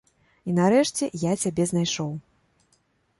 І, нарэшце, я цябе знайшоў.